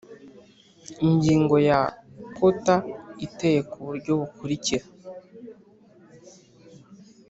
ingingo ya quater iteye ku buryo bukurikira